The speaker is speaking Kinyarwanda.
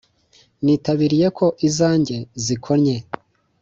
Nitabiriye ko izanjye zikonnye